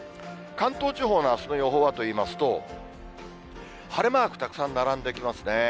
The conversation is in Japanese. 関東地方のあすの予報はといいますと、晴れマークたくさん並んできますね。